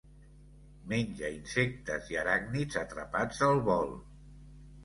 Menja insectes i aràcnids atrapats al vol.